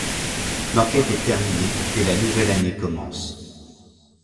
L'enquête est terminée et la nouvelle année commence.